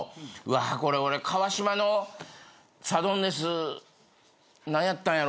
これ俺川島のサドンデス何やったんやろ？